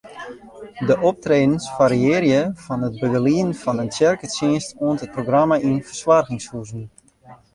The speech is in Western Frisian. De optredens fariearje fan it begelieden fan in tsjerketsjinst oant in programma yn fersoargingshuzen.